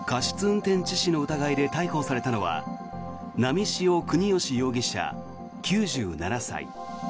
運転致死の疑いで逮捕されたのは波汐國芳容疑者、９７歳。